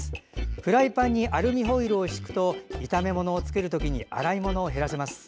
フライパンにアルミホイルを敷くと炒め物を作る時に洗い物を減らせます。